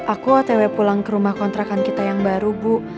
aku otw pulang ke rumah kontrakan kita yang baru bu